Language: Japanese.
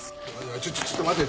ちょっちょっと待てよ。